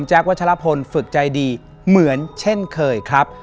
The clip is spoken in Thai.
วัชลพลฝึกใจดีเหมือนเช่นเคยครับ